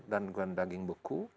dan daging beku